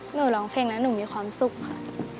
ร้องเพลงแล้วหนูมีความสุขค่ะ